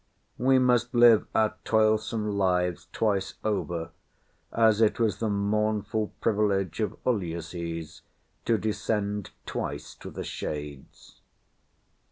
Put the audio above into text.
We must live our toilsome lives twice over, as it was the mournful privilege of Ulysses to descend twice to the shades.